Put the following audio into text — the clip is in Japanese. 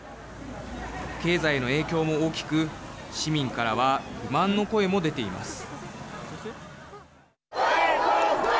経済への影響も大きく市民からは不満の声も出ています。